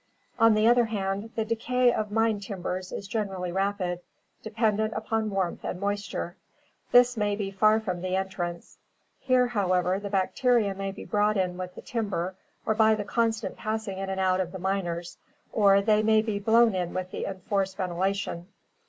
" On the other hand, the decay of mine timbers is generally rapid, dependent upon warmth and moisture. This may be far from the CAVE AND DEEP SEA LIFE 373 entrance. Here, however, the bacteria may be brought in with the timber or by the constant passing in and out of the miners, or they may be blown in with the enforced ventilation.